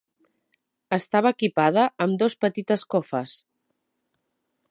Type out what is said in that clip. Estava equipada amb dos petites cofes.